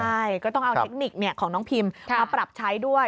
ใช่ก็ต้องเอาเทคนิคของน้องพิมมาปรับใช้ด้วย